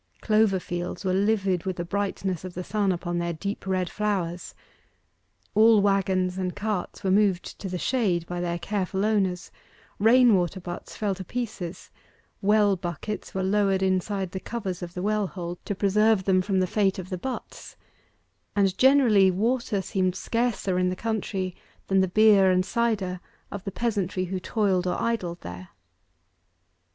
Clover fields were livid with the brightness of the sun upon their deep red flowers. All waggons and carts were moved to the shade by their careful owners, rain water butts fell to pieces; well buckets were lowered inside the covers of the well hole, to preserve them from the fate of the butts, and generally, water seemed scarcer in the country than the beer and cider of the peasantry who toiled or idled there.